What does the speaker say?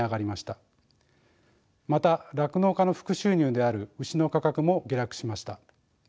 また酪農家の副収入である牛の価格も下落しました。